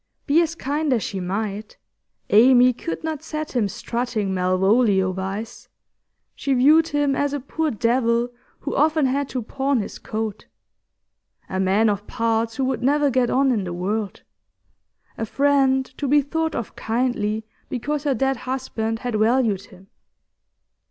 Be as kind as she might, Amy could not set him strutting Malvolio wise; she viewed him as a poor devil who often had to pawn his coat a man of parts who would never get on in the world a friend to be thought of kindly because her dead husband had valued him.